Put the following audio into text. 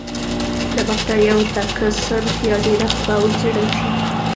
د بکټریاوو تکثر یا ډېرښت به وڅېړل شي.